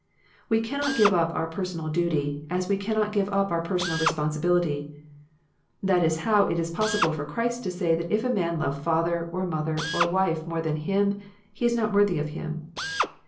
We cannot give up our personal duty, as we cannot give up our personal respon sibility. That is how it is possible for Christ to say that if a man love father, or mother, or wife more than Him, he is not worthy of Him.